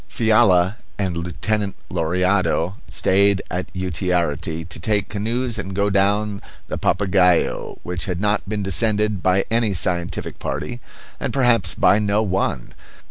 Fiala and Lieutenant Lauriado stayed at Utiarity to take canoes and go down the Papagaio, which had not been descended by any scientific party, and perhaps by no one.